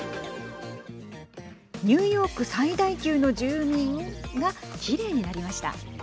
ニューヨーク最大級の住民がきれいになりました。